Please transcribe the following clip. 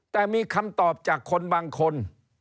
แต่มีคำตอบจากคนบางคน